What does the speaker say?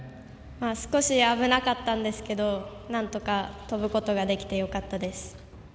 少し危なかったんですけどなんとか跳ぶことができてよかったです。